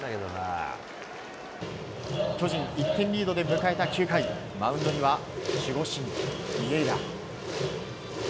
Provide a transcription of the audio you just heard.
巨人１点リードで迎えた９回マウンドには守護神ビエイラ。